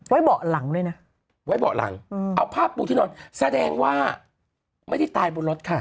เบาะหลังเลยนะไว้เบาะหลังเอาผ้าปูที่นอนแสดงว่าไม่ได้ตายบนรถค่ะ